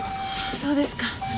そうですか。